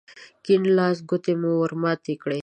د کيڼ لاس ګوتې مو ور ماتې کړې.